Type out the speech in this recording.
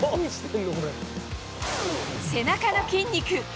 背中の筋肉。